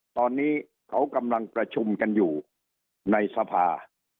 ตอนนี้เขากำลังประชุมกันอยู่ในสภา